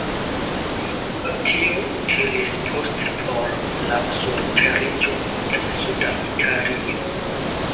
Tio utilis poste por la surteriĝo en suda Italio.